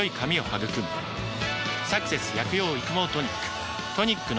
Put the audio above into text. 「サクセス薬用育毛トニック」